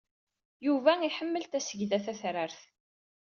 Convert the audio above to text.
Yuba iḥemmel tasegda tatrart.